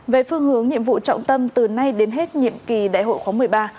về phương hướng nhiệm vụ trọng tâm từ nay đến hết nhiệm kỳ đại hội khóa một mươi ba